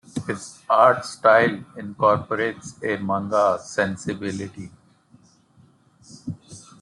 His art style incorporates a manga sensibility.